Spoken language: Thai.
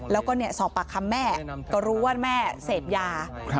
แล้วก็สอบปากคำแม่ก็รู้ว่าแม่เสพยา